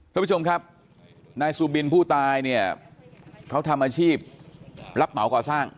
ทุกผู้ชมครับนายสุบินผู้ตายเนี่ยเขาทำอาชีพรับเหมาก่อสร้าง